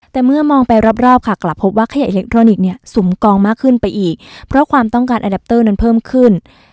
แต่เมื่อมองไปรอบค่ะกลับพบว่าขยะอิเล็กทรอนิกส์เนี่ยสุมกองมากขึ้นไปอีกเพราะความต้องการแอดัปเตอร์นั้นเพิ่มขึ้น